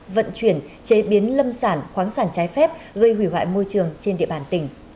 vận chuyển chế biến lâm sản khoáng sản trái phép gây hủy hoại môi trường trên địa bàn tỉnh